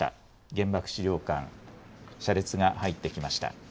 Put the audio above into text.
原爆資料館、車列が入ってきました。